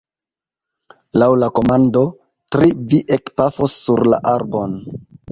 Laŭ la komando « tri » vi ekpafos sur la arbon.